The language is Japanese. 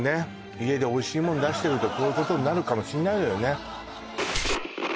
家でおいしいもの出してるとこういうことになるかもしれないのよね